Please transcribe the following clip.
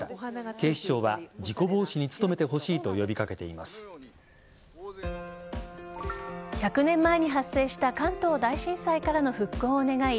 警視庁は事故防止に努めてほしいと１００年前に発生した関東大震災からの復興を願い